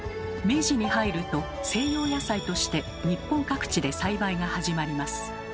明治に入ると西洋野菜として日本各地で栽培が始まります。